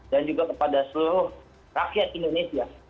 dan juga kepada seluruh rakyat indonesia